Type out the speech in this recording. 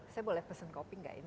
saya boleh pesen kopi enggak ini